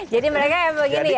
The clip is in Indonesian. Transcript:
jadi mereka yang begini ya